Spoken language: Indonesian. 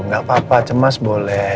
gak apa apa cemas boleh